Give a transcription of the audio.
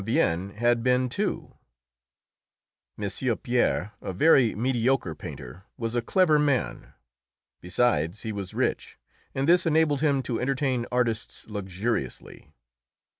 Vien had been, too. M. Pierre, a very mediocre painter, was a clever man. Besides, he was rich, and this enabled him to entertain artists luxuriously.